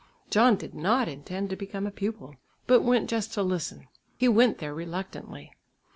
John did not intend to become a pupil, but went just to listen. He went there reluctantly.